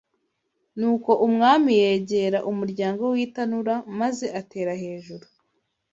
Nuko umwami yegera umuryango w’itanura maze atera hejuru